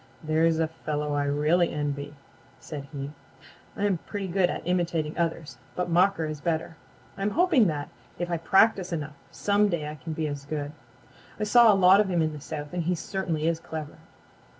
"There's a fellow I really envy," said he. "I'm pretty good at imitating others, but Mocker is better. I'm hoping that, if I practice enough, some day I can be as good. I saw a lot of him in the South and he certainly is clever."